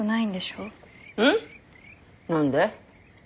何で？